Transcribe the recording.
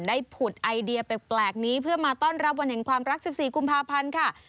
ผุดไอเดียแปลกนี้เพื่อมาต้อนรับวันแห่งความรัก๑๔กุมภาพันธ์ค่ะ